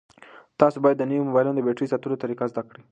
تاسو باید د نویو موبایلونو د بېټرۍ ساتلو طریقه زده کړئ.